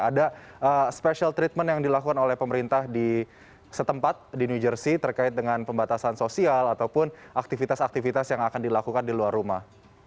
ada special treatment yang dilakukan oleh pemerintah di setempat di new jersey terkait dengan pembatasan sosial ataupun aktivitas aktivitas yang akan dilakukan di luar rumah